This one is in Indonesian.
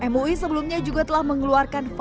mui sebelumnya juga telah mengeluarkan